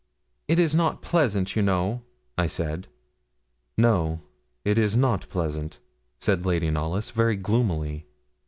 'It is not pleasant, you know,' I said. 'No, it is not pleasant,' said Lady Knollys, very gloomily.